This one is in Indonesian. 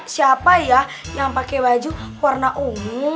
siapa ya yang pake wajah warna ungu